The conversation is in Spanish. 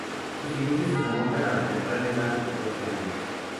Sus inicios se remontan a la temprana edad de catorce años.